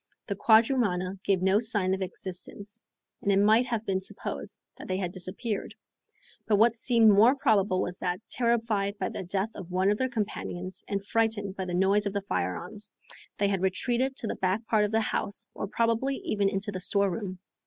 The quadrumana gave no sign of existence, and it might have been supposed that they had disappeared; but what seemed more probable was that, terrified by the death of one of their companions, and frightened by the noise of the firearms, they had retreated to the back part of the house or probably even into the store room.